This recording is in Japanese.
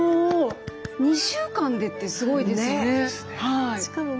２週間でってすごいですよね。